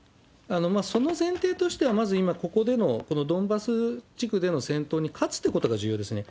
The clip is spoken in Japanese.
その前提としては、まず今、ここでのこのドンバス地区での戦闘に勝つということが重要ですね。